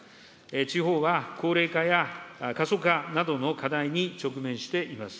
地方は、高齢化や過疎化などの課題に直面しています。